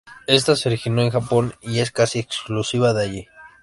Esta se originó en Japón y es casi exclusiva de allí.